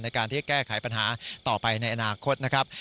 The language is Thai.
ในการที่แก้ไขปัญหาต่อไปในอนาคตนะครับ